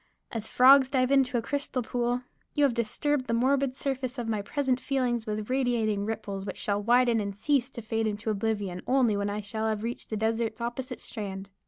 As frogs dive into a crystal pool, you have disturbed the morbid surface of my present feelings with radiating ripples which shall widen and cease to fade into oblivion only when I shall have reached the desert's opposite strand.